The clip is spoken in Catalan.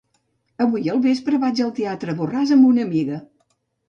Avui al vespre vaig al teatre Borràs amb una amiga.